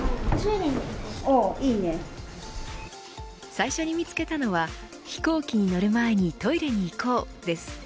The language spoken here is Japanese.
最初に見つけたのは飛行機に乗る前にトイレに行こうです。